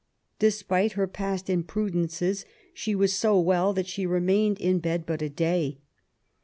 Despite her past imprudences, she was so well that she remained in 'bed but a day.